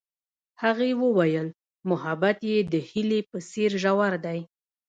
هغې وویل محبت یې د هیلې په څېر ژور دی.